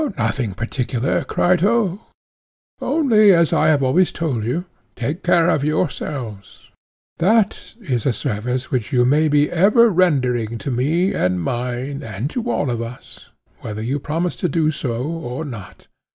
Nothing particular, Crito, he replied: only, as I have always told you, take care of yourselves; that is a service which you may be ever rendering to me and mine and to all of us, whether you promise to do so or not.